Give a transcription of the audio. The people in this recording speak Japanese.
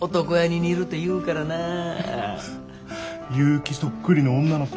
結城そっくりの女の子。